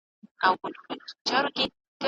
نجلۍ باید معلومات پټ نه کړي.